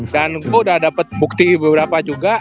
gue udah dapet bukti beberapa juga